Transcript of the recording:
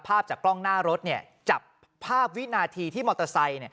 ภาพจากกล้องหน้ารถจับภาพวินาทีที่มอเตอร์ไซค์